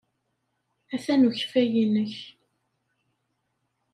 Atan ukeffay-nnek.